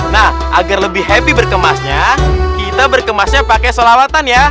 nah agar lebih happy berkemasnya kita berkemasnya pakai sholawatannya